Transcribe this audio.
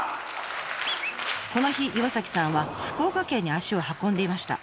この日岩さんは福岡県に足を運んでいました。